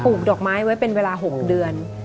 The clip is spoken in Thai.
ดอกไม้ไว้เป็นเวลา๖เดือน